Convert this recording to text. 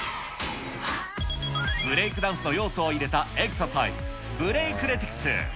ブレイクダンスの要素を入れたエクササイズ、ブレイクレティクス。